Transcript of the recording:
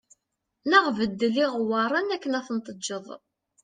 Neɣ beddel iɣewwaṛen akken ad ten-teǧǧeḍ